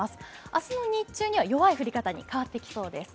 明日の日中には弱い降り方に変わっていきそうです。